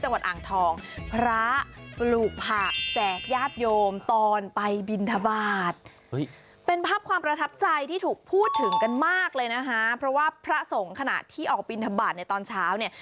จังหวัดอ่างทองพระปลูกผักแจกญาติโยมตอนไปบินทบาทเป็นภาพความประทับใจที่ถูกพูดถึงกันมากเลยนะคะเพราะว่าพระสงฆ์ขณะที่ออกบินทบาทในตอนเช้าเนี่ย